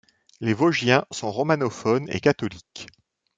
Les Vosgiens sont romanophones et catholiques.